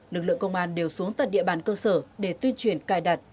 lực lượng công an đều xuống tận địa bàn cơ sở để tuyên truyền cài đặt